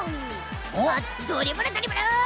あっドリブルドリブル